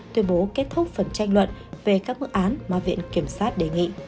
tuyên bố kết thúc phần tranh luận về các mức án mà viện kiểm sát đề nghị